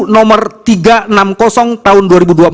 nomor tiga ratus enam puluh tahun dua ribu dua puluh